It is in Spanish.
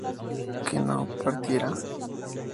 ¿que no partiera?